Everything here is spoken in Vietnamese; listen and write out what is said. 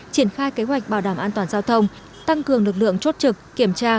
triển khai kế hoạch bảo đảm an toàn giao thông tăng cường lực lượng chốt trực kiểm tra